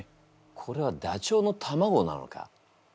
これはダチョウの卵なのか。